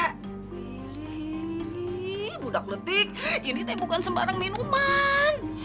lili budak letik ini bukan sembarang minuman